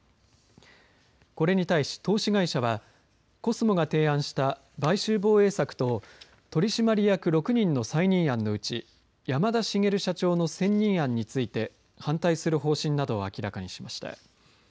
これに対し投資会社はコスモが提案した買収防衛策と取締役６人の再任案のうち山田茂社長の選任案について反対する方針などを明らかにしました。